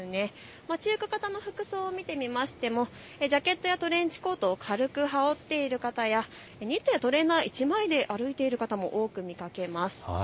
街行く方の服装を見てみましてもジャケットやトレンチコートを軽く羽織っている方やニットやトレーナー１枚で歩いている方も多く見かけます。